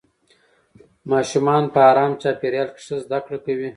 ماشومان په ارام چاپېریال کې ښه زده کړه کوي